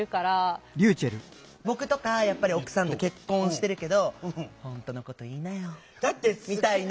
僕とか奥さんと結婚してるけど「本当のこと言いなよ」みたいな。